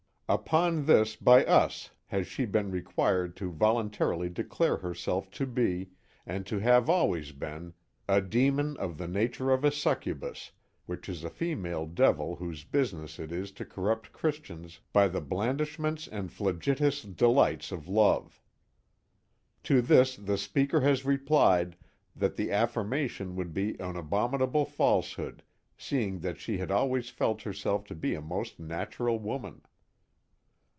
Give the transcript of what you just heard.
7 Upon this, by us has she been required to voluntarily declare herself to be, and to have always been, a demon of the nature of a Succubus, which is a female devil whose business it is to corrupt Christians by the blandishments and flagitious delights of love. To this the speaker has replied that the affirmation would be an abominable falsehood, seeing that she had always felt herself to be a most natural woman.